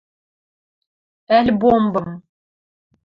ӓль бомбым!